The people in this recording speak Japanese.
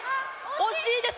惜しいです。